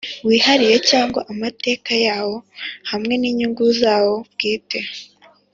wihariye cyangwa amateka yawo hamwe n’inyungu zawo bwite,